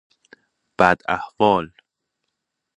بداحوال